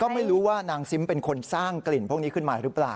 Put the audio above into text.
ไม่รู้ว่านางซิมเป็นคนสร้างกลิ่นพวกนี้ขึ้นมาหรือเปล่า